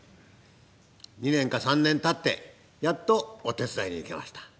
２年か３年たってやっとお手伝いに行けました。